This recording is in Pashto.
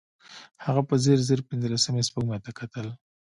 هغه په ځير ځير پينځلسمې سپوږمۍ ته کتل.